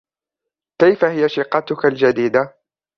كيف هي شقتك الجديدة ؟